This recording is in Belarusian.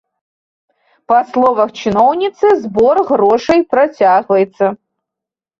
Па словах чыноўніцы, збор грошай працягваецца.